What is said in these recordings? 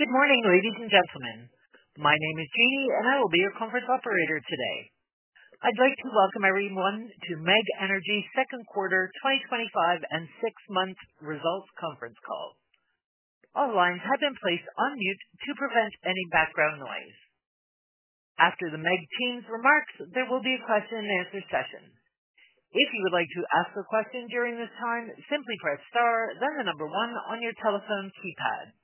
Good morning, ladies and gentlemen. My name is Jeannie, and I will be your conference operator today. I'd like to welcome everyone to MEG Energy's second quarter 2025 and six-month results conference call. All lines have been placed on mute to prevent any background noise. After the MEG team's remarks, there will be a question and answer session. If you would like to ask a question during this time, simply press star, then the number one on your telephone keypad.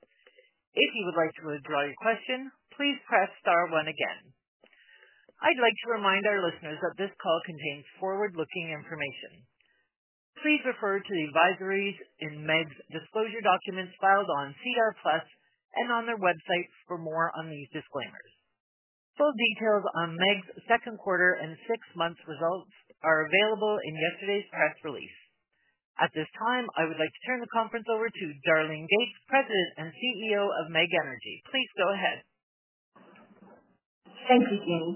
If you would like to withdraw your question, please press star one again. I'd like to remind our listeners that this call contains forward-looking information. Please refer to the advisories in MEG's disclosure documents filed on CDAR Plus and on their website for more on these disclaimers. Full details on MEG's second quarter and six-month results are available in yesterday's press release. At this time, I would like to turn the conference over to Darlene Gates, President and CEO of MEG Energy. Please go ahead. Thank you, Jeannie.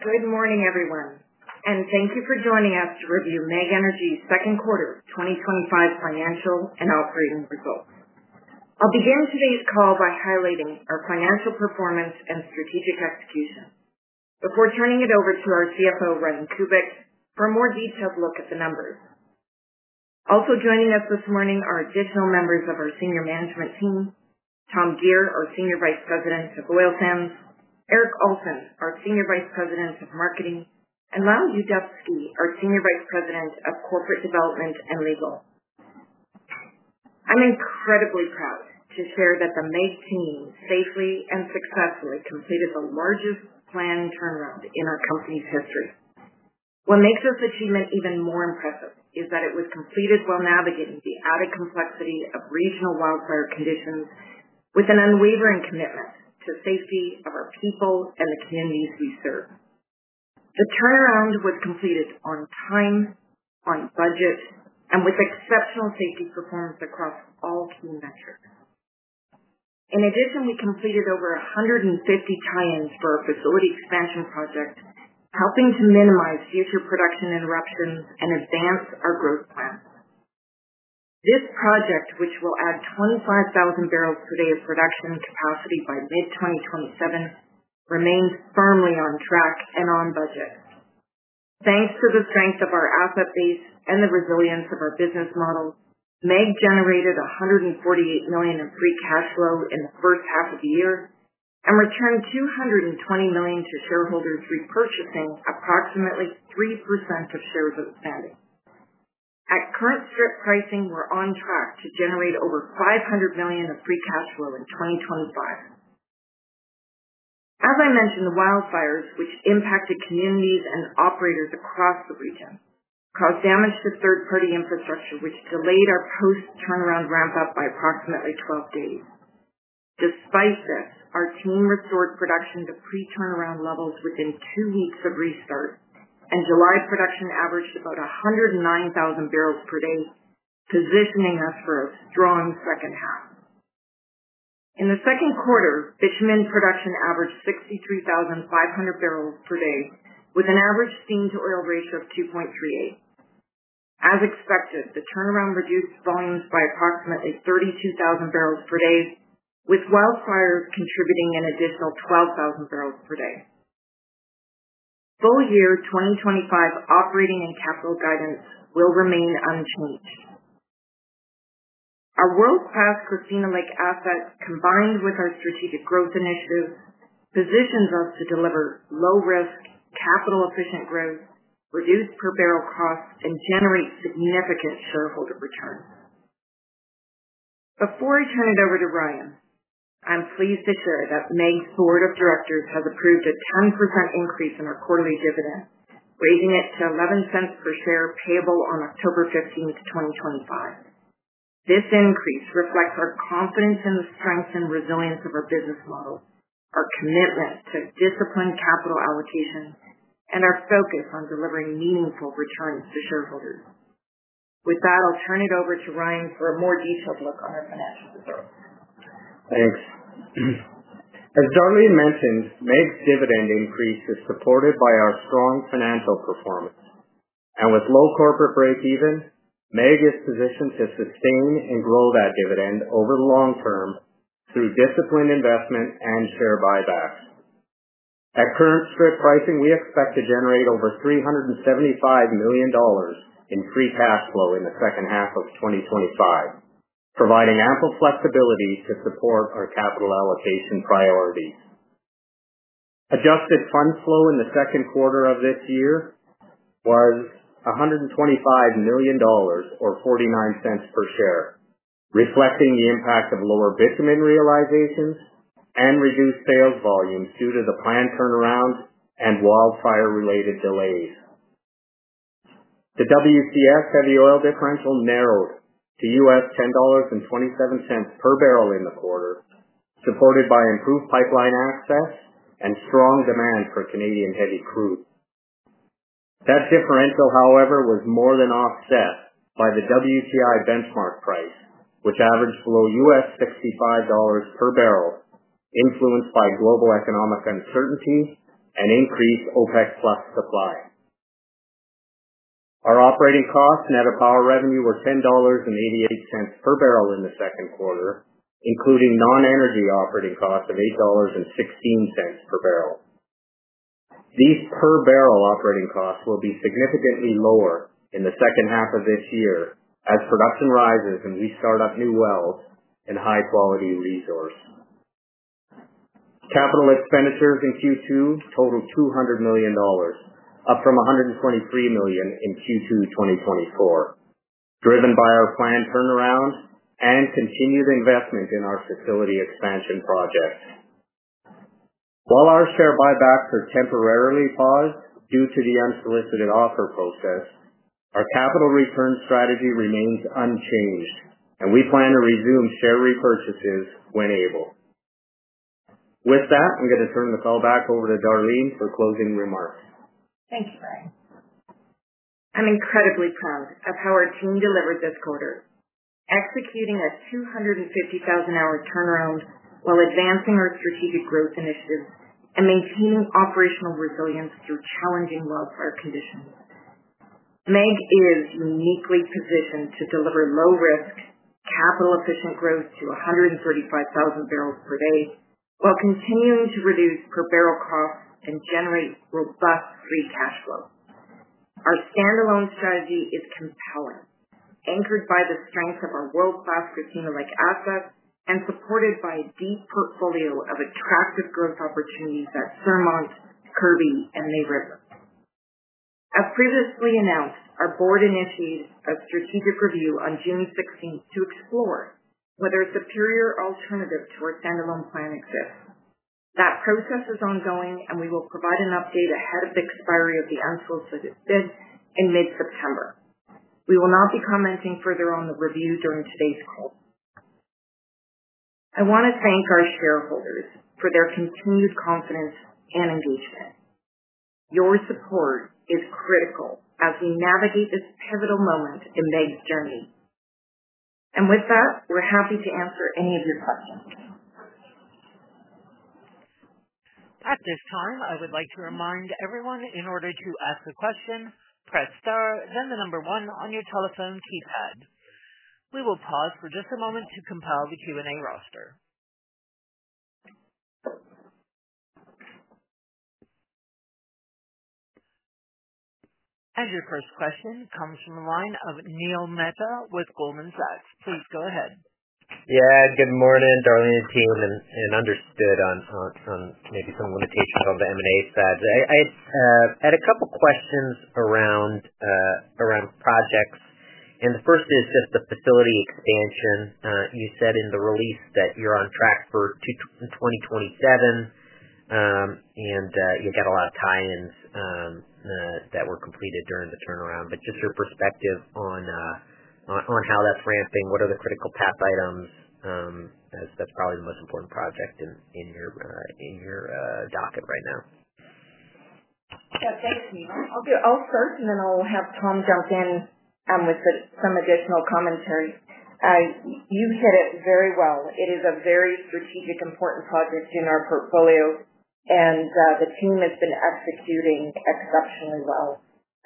Good morning, everyone, and thank you for joining us to review MEG Energy's second quarter 2025 financial and operating results. I'll begin today's call by highlighting our financial performance and strategic execution before turning it over to our CFO, Ryan Kubik, for a more detailed look at the numbers. Also joining us this morning are additional members of our Senior Management Team: Tom Gear, our Senior Vice President of Oil Sales; Eric Alson, our Senior Vice President of Marketing; and Lyle Yuzdepski, our Senior Vice President of Corporate Development and Legal. I'm incredibly proud to share that the MEG team safely and successfully completed the largest planned turnaround in our company's history. What makes this achievement even more impressive is that it was completed while navigating the added complexity of regional wildfire conditions with an unwavering commitment to the safety of our people and the communities we serve. The turnaround was completed on time, on budget, and with exceptional safety performance across all key metrics. In addition, we completed over 150 tie-ins for our facility expansion project, helping to minimize future production interruptions and advance our growth plan. This project, which will add 25,000 bbl per day of production capacity by mid-2027, remains firmly on track and on budget. Thanks to the strength of our asset base and the resilience of our business models, MEG generated $148 million in free cash flow in the first half of the year and returned $220 million to shareholders, repurchasing approximately 3% of shares outstanding. At current strip pricing, we're on track to generate over $500 million in free cash flow in 2025. As I mentioned, the wildfires, which impacted communities and operators across the region, caused damage to third-party infrastructure, which delayed our post-turnaround ramp-up by approximately 12 days. Despite this, our team restored production to pre-turnaround levels within two weeks of restart, and July production averaged about 109,000 barrels per day, positioning us for a strong second half. In the second quarter, bitumen production averaged 63,500 barrels per day, with an average steam-to-oil ratio of 2.38. As expected, the turnaround reduced volumes by approximately 32,000 bbl per day, with wildfires contributing an additional 12,000 bbl per day. Full year 2025 operating and capital guidance will remain unchanged. Our world-class Christina Lake assets, combined with our strategic growth initiative, positions us to deliver low-risk, capital-efficient growth, reduced per-barrel costs, and generate significant shareholder returns. Before I turn it over to Ryan, I'm pleased to share that MEG's Board of Directors has approved a 10% increase in our quarterly dividend, raising it to $0.11 per share payable on October 15, 2025. This increase reflects our confidence in the strength and resilience of our business model, our commitment to disciplined capital allocation, and our focus on delivering meaningful returns to shareholders. With that, I'll turn it over to Ryan for a more detailed look on our financial results. Thanks. As Darlene mentioned, MEG's dividend increase is supported by our strong financial performance, and with low corporate break-even, MEG is positioned to sustain and grow that dividend over the long term through disciplined investment and share buybacks. At current strip pricing, we expect to generate over $375 million in free cash flow in the second half of 2025, providing ample flexibility to support our capital allocation priorities. Adjusted fund flow in the second quarter of this year was $125 million or $0.49 per share, reflecting the impact of lower bitumen realizations and reduced sales volumes due to the planned turnaround and wildfire-related delays. The WCS heavy oil differential narrowed to US $10.27 per barrel in the quarter, supported by improved pipeline access and strong demand for Canadian-heavy crude. That differential, however, was more than offset by the WTI benchmark price, which averaged below US $65 per barrel, influenced by global economic uncertainty and increased OPEC Plus supply. Our operating costs net of our revenue were $10.88 per barrel in the second quarter, including non-energy operating costs of $8.16 per barrel. These per-barrel operating costs will be significantly lower in the second half of this year as production rises and we start up new wells and high-quality resources. Capital expenditures in Q2 totaled $200 million, up from $123 million in Q2 2024, driven by our planned turnaround and continued investment in our facility expansion project. While our share buybacks are temporarily paused due to the unsolicited offer process, our capital return strategy remains unchanged, and we plan to resume share repurchases when able. With that, I'm going to turn the call back over to Darlene for closing remarks. Thank you, Ryan. I'm incredibly proud of how our team delivered this quarter, executing a 250,000-hour turnaround while advancing our strategic growth initiatives and maintaining operational resilience through challenging wildfire conditions. MEG Energy is uniquely positioned to deliver low-risk, capital-efficient growth to 135,000 barrels per day while continuing to reduce per-barrel costs and generate robust free cash flow. Our standalone strategy is compelling, anchored by the strength of our world-class Christina Lake assets and supported by a deep portfolio of attractive growth opportunities at Surmont, Kirby, and Leigh River. As previously announced, our board initiated a strategic review on June 16 to explore whether a superior alternative to our standalone plan exists. That process is ongoing, and we will provide an update ahead of the expiry of the unsolicited bid in mid-September. We will not be commenting further on the review during today's call. I want to thank our shareholders for their continued confidence and engagement. Your support is critical as we navigate this pivotal moment in MEG Energy's journey. With that, we're happy to answer any of your questions. At this time, I would like to remind everyone, in order to ask a question, press star, then the number one on your telephone keypad. We will pause for just a moment to compile the Q&A roster. Your first question comes from the line of Neil Mehta with Goldman Sachs. Please go ahead. Yeah, good morning, Darlene and team, and understood on maybe some limitations on the M&A side. I had a couple of questions around projects, and the first is just the facility expansion. You said in the release that you're on track for 2027, and you've got a lot of tie-ins that were completed during the turnaround. Just your perspective on how that's ramping, what are the critical path items? That's probably the most important project in your docket right now. Yeah, thanks, Neil. I'll do it. I'll start, and then I'll have Tom jump in with some additional commentary. You hit it very well. It is a very strategic, important project in our portfolio, and the team has been executing exceptionally well.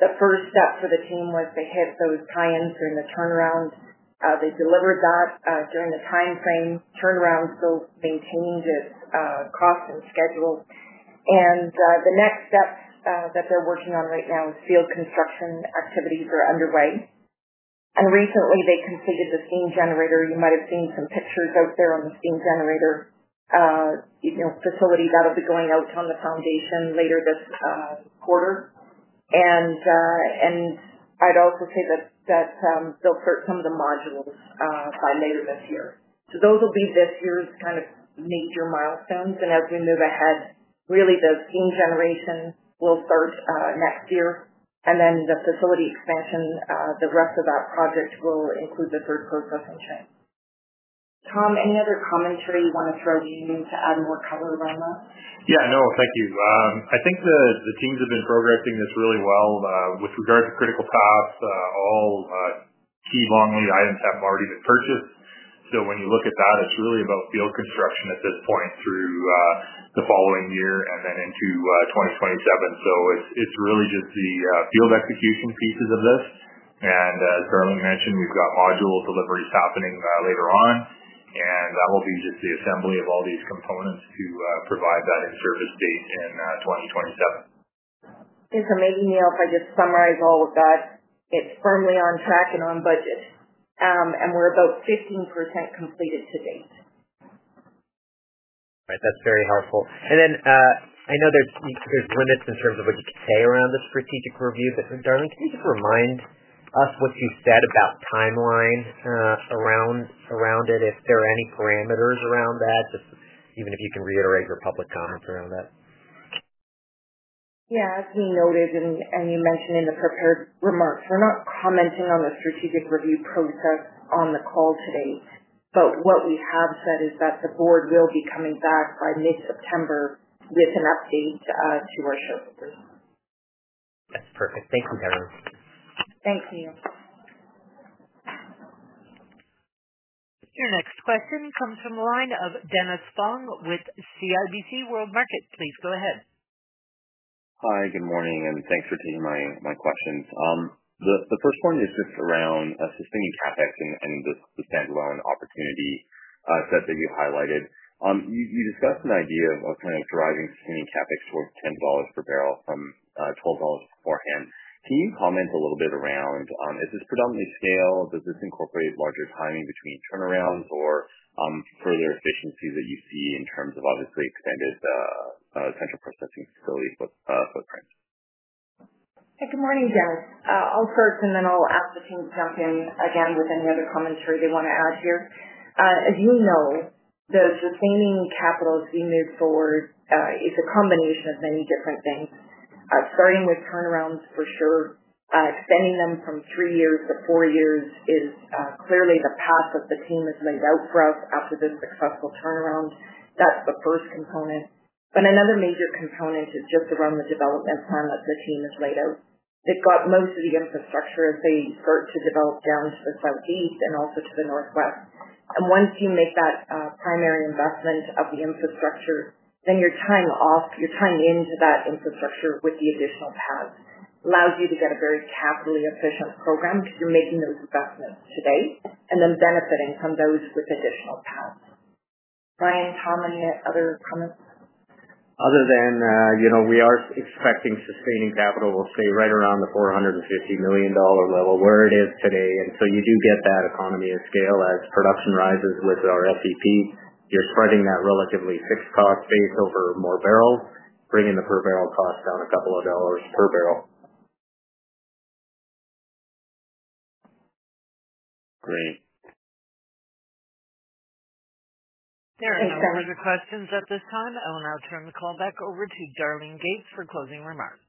The first step for the team was to hit those tie-ins during the planned turnaround. They delivered that during the timeframe. The planned turnaround still maintains its cost and schedule. The next step that they're working on right now is field construction activities that are underway. Recently, they completed the steam generator. You might have seen some pictures out there on the steam generator, you know, facility that'll be going out on the foundation later this quarter. I'd also say that they'll start some of the modules by later this year. Those will be this year's kind of major milestones. As we move ahead, really, the steam generation will start next year, and then the facility expansion, the rest of that project will include the third-party processing chain. Tom, any other commentary you want to throw to you to add more color around that? Yeah, no, thank you. I think the teams have been progressing this really well. With regard to critical paths, all key long lead items have already been purchased. When you look at that, it's really about field construction at this point through the following year and then into 2027. It's really just the field execution pieces of this. As Darlene mentioned, we've got module deliveries happening later on, and that will be just the assembly of all these components to provide that in-service date in 2027. It's amazing, Neil, if I just summarize all of that. It's firmly on track and on budget, and we're about 15% completed to date. Right, that's very helpful. I know there's limits in terms of what you can say around the strategic review. Darlene, can you just remind us what you said about timeline around it, if there are any parameters around that, just even if you can reiterate your public comments around that? Yeah, as we noted and you mentioned in the prepared remarks, we're not commenting on the strategic review process on the call today. What we have said is that the board will be coming back by mid-September with an update to our shareholders. That's perfect. Thank you, Darlene. Thanks, Neil. Your next question comes from the line of Dennis Fong with CIBC. Please go ahead. Hi, good morning, and thanks for taking my questions. The first one is just around sustaining CapEx and the standalone opportunity sets that you highlighted. You discussed an idea of kind of driving sustaining CapEx towards $10 per barrel from $12 beforehand. Can you comment a little bit around, is this predominantly scale? Does this incorporate larger timing between turnarounds or further efficiencies that you see in terms of obviously expanded central processing facility footprint? Good morning, Dennis. I'll start, and then I'll ask the team to jump in again with any other commentary they want to add here. As you know, the sustaining capital as we move forward is a combination of many different things, starting with turnarounds for sure. Extending them from three years to four years is clearly the path that the team has laid out for us after this successful turnaround. That's the first component. Another major component is just around the development plan that the team has laid out. They've got most of the infrastructure as they start to develop down to the southeast and also to the northwest. Once you make that primary investment of the infrastructure, then you're tying off, you're tying into that infrastructure with the additional paths. It allows you to get a very capitally efficient program because you're making those investments today and then benefiting from those with additional paths. Ryan, Tom, any other comments? Other than, you know, we are expecting sustaining capital to stay right around the $450 million level where it is today. You do get that economy at scale as production rises with our SEP. You're spreading that relatively fixed cost base over more barrels, bringing the per-barrel cost down a couple of dollars per barrel. Great. There are no further questions at this time. I will now turn the call back over to Darlene Gates for closing remarks.